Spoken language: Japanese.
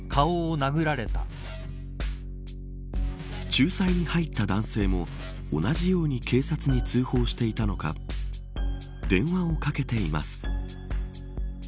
仲裁に入った男性も同じように警察に通報していたのか電話をかけています。